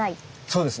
そうですね。